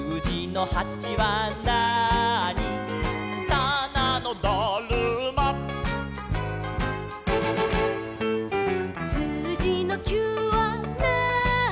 「たなのだるま」「すうじの９はなーに」